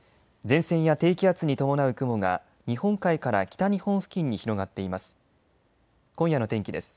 前線や低気圧に伴う雲が日本海から北日本付近に広がっています。